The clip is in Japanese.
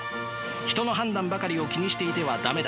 人の判断ばかりを気にしていては駄目だ。